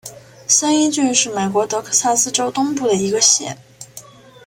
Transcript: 三一郡是美国德克萨斯州东部的一个县。